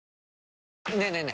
ねえねえ